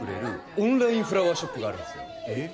オンラインフラワーショップがあるんですよえっ？